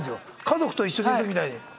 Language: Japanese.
家族と一緒にいる時みたいに。